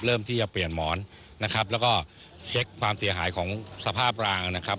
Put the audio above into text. เริ่มที่จะเปลี่ยนหมอนนะครับแล้วก็เช็คความเสียหายของสภาพรางนะครับ